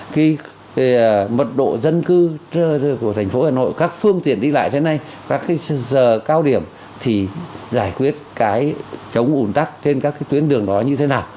khi về mật độ dân cư của thành phố hà nội các phương tiện đi lại thế này các giờ cao điểm thì giải quyết cái chống ủn tắc trên các tuyến đường đó như thế nào